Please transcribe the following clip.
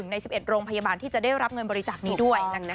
ใน๑๑โรงพยาบาลที่จะได้รับเงินบริจาคนี้ด้วย